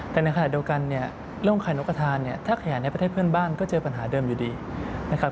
แต่ในขณะเดียวกันเนี่ยเรื่องไข่นกกระทานเนี่ยถ้าแขนในประเทศเพื่อนบ้านก็เจอปัญหาเดิมอยู่ดีนะครับ